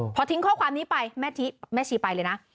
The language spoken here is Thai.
พอทิ้งข้อความนี้ไปแม่ชีไปเลยนะ